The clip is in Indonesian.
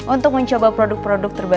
untuk mencoba produk produk terbaru